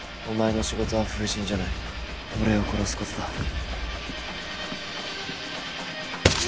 お前の仕事は封刃じゃない俺を殺すことだ